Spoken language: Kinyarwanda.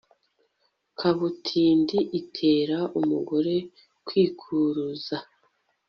kabutindi itera umugore kwikuruza